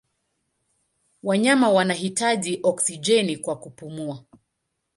Wanyama wanahitaji oksijeni kwa kupumua.